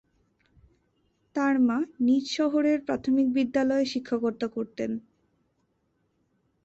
তার মা নিজ শহরের প্রাথমিক বিদ্যালয়ে শিক্ষকতা করতেন।